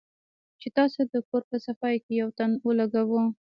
چې تاسو د کور پۀ صفائي يو تن ولګوۀ